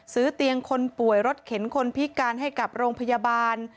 ซื้อเตียงคนป่วยรถเข็นคนพิการให้กับโรงพยาบาล